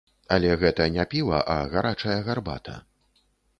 Але гэта не піва, а гарачая гарбата.